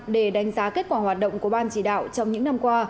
để đánh giá kết quả hoạt động của ban chỉ đạo trong những năm qua